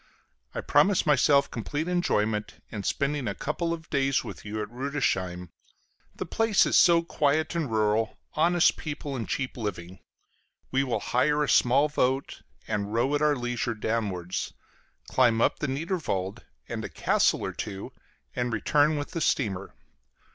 I promise myself complete enjoyment in spending a couple of days with you at Rüdesheim; the place is so quiet and rural, honest people and cheap living. We will hire a small boat and row at our leisure downwards, climb up the Niederwald and a castle or two, and return with the steamer.